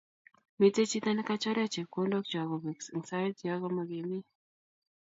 Mitei chito nekachorech chepkondok chok kobek eng sait yo kamikemii